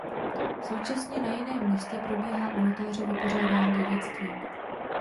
Současně na jiném místě probíhá u notáře vypořádání dědictví.